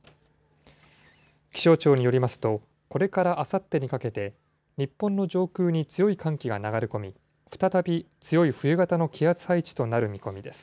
気象庁によりますと、これからあさってにかけて、日本の上空に強い寒気が流れ込み、再び強い冬型の気圧配置となる見込みです。